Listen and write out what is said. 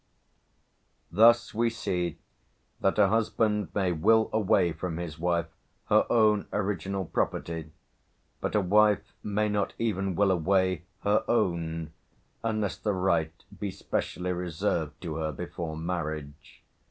Thus we see that a husband may will away from his wife her own original property, but a wife may not even will away her own, unless the right be specially reserved to her before marriage.